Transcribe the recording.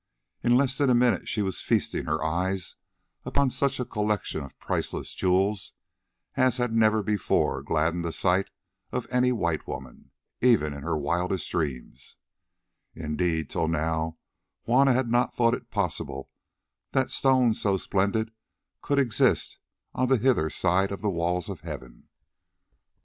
In less than a minute she was feasting her eyes upon such a collection of priceless jewels as had never before gladdened the sight of any white woman, even in her wildest dreams; indeed, till now Juanna had not thought it possible that stones so splendid could exist on the hither side of the walls of heaven.